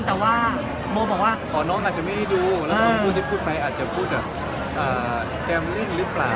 แต่ว่าโมบอกว่าอ๋อน้องอาจจะไม่ได้ดูแล้วก็พูดที่พูดไปอาจจะพูดแบบเต็มเล่นหรือเปล่า